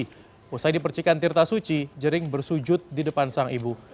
setelah dipercikan tirta suci jering bersujud di depan sang ibu